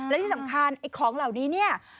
และที่สำคัญไอ้ของเหล่านี้เนี่ย